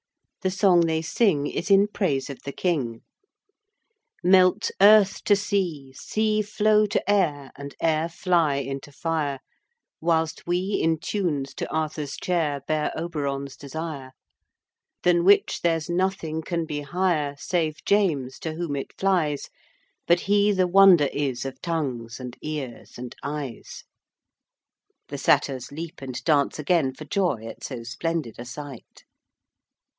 The song they sing is in praise of the King: Melt earth to sea, sea flow to air, And air fly into fire, Whilst we in tunes to Arthur's chair Bear Oberon's desire: Than which there's nothing can be higher Save James to whom it flies: But he the wonder is of tongues and ears and eyes The Satyrs leap and dance again for joy at so splendid a sight.